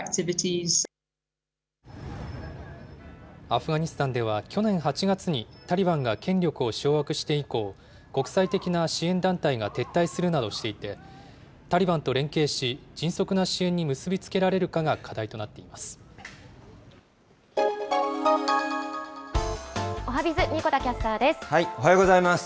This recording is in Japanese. アフガニスタンでは、去年８月にタリバンが権力を掌握して以降、国際的な支援団体が撤退するなどしていて、タリバンと連携し、迅速な支援に結び付けられるかが課題となっています。